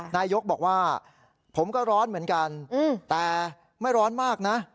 นายกบอกว่าผมก็ร้อนเหมือนกันแต่ไม่ร้อนมากนะ